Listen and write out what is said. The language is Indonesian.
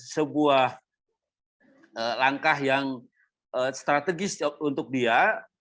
sebuah langkah yang strategis untuk dia